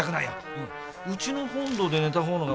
うん。